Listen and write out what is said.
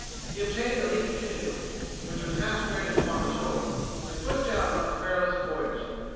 He obtained a leaky canoe, which was half stranded upon the shore, and pushed out on his perilous voyage.